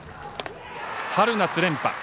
春夏連覇。